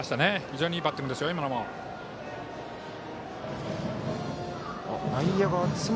非常にいいバッティングです。